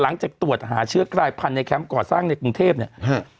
หลังจากตรวจหาเชื้อกลายพันธุ์ในแคมป์ก่อสร้างในกรุงเทพเนี่ยฮะ